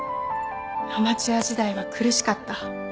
アマチュア時代は苦しかった。